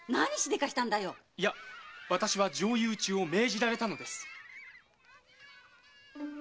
⁉いや私は上意討ちを命じられたのです。